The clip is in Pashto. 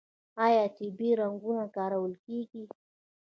آیا طبیعي رنګونه کارول کیږي؟